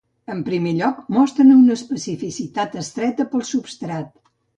En primer lloc mostren una especificitat estreta pel substrat.